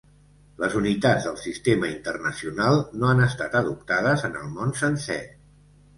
Les unitats del Sistema Internacional no han estat adoptades en el món sencer.